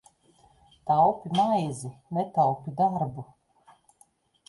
Taupi maizi, netaupi darbu!